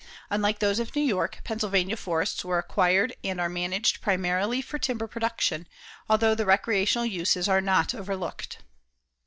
Unlike those of New York, Pennsylvania forests were acquired and are managed primarily for timber production, although the recreational uses are not overlooked.